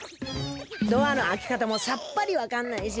ドアの開け方もさっぱりわかんないし。